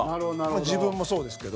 自分もそうですけど。